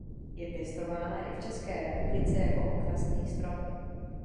Je pěstována i v České republice jako okrasný strom.